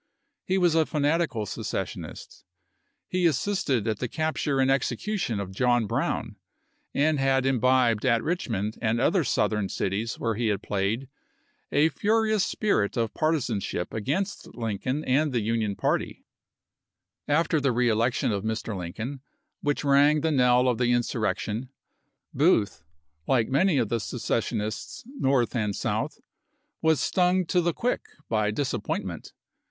He was a fanatical secessionist ; had assisted at the capture and execution of John Brown, and had imbibed at Richmond and other Southern cities where he had played, a furious spirit of par tisanship against Lincoln and the Union party. Vol. X.— 19 290 ABRAHAM LINCOLN chap. xiv. After the reelection of Mr. Lincoln, which rang the knell of the insurrection, Booth, like many of the secessionists North and South, was stung to the quick by disappointment.